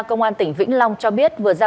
công an tỉnh vĩnh long cho biết vừa ra